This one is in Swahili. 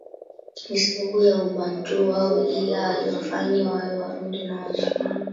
Ni sababu ya ubantu wao ila haiwafanyi wawe warundi au wanyarwanda